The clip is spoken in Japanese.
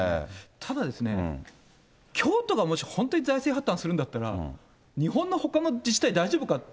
ただ、京都がもし本当に財政破綻するんだったら、日本のほかの自治体、大丈夫かって。